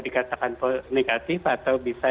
dikatakan negatif atau bisa